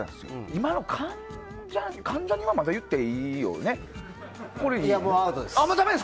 今の関ジャニ関ジャニはまだ言っていいよね。